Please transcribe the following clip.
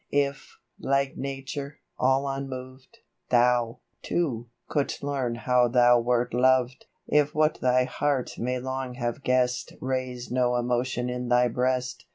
if, like Nature, all unmoved, l^hou^ too, couldst learn how thou wert loved, If what thy heart may long have guessed Raised no emotion in thy breast.